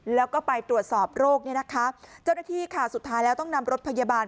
แล้วก็ไปตรวจสอบโรคเนี่ยนะคะเจ้าหน้าที่ค่ะสุดท้ายแล้วต้องนำรถพยาบาล